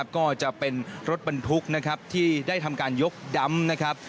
ก็จะเป็นรถบรรทุกที่ได้ทำการยกดำ